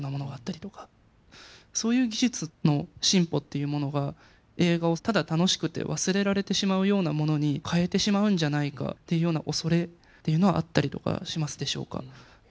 そういう技術の進歩っていうものが映画をただ楽しくて忘れられてしまうようなものに変えてしまうんじゃないかっていうようなおそれっていうのはあったりとかしますでしょうか？